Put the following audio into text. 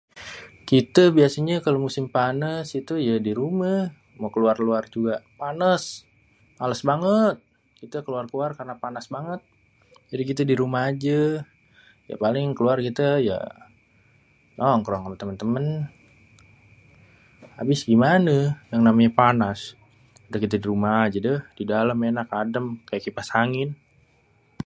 kitê biasanyê kalo musim panas itu yê di rumêh mau keluar-luar juga panas.. malês banget kitê keluar-keluar karena panas banget jadi kita di rumah ajê.. ya paling keluar kitê ya nongkrong amê temên-temên.. abis gimanê yang namanya panas.. udah kitê di rumah ajê dêh.. di dalêm ènak adêm pakè kipas angin..